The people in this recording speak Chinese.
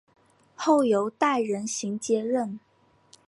后由戴仁行接任。